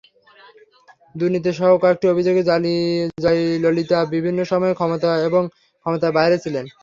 দুর্নীতিসহ কয়েকটি অভিযোগে জয়ললিতা বিভিন্ন সময়ে ক্ষমতা এবং ক্ষমতার বাইরে ছিলেন।